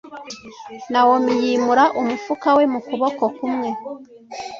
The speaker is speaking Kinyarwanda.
Nawomi yimura umufuka we mu kuboko kumwe.